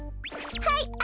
はい！